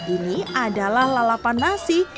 ini adalah lalapan nasi